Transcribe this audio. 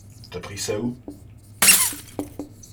T'as pris ça où?